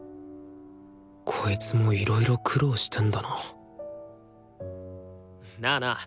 こいつもいろいろ苦労してんだななあなあ！